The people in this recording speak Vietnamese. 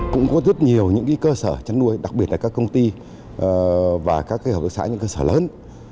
cũng có rất nhiều những cơ sở chăn nuôi đặc biệt là các công ty và các hợp tác xã những cơ sở lớn